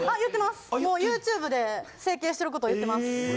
もうＹｏｕＴｕｂｅで整形してること言ってます。